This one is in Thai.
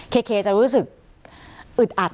เคจะรู้สึกอึดอัด